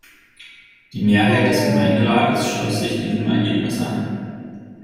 Die Mehrheit des Gemeinderates schloss sich diesem Ergebnis an.